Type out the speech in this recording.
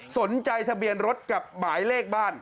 ทะเบียนรถกับหมายเลขบ้าน